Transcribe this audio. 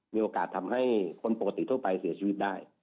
มีโอกาสทำให้คนปกติทั่วไปเสียชีวิตได้